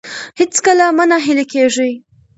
هېڅکله مه ناهیلي کیږئ.